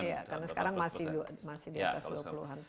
iya karena sekarang masih di atas dua puluh an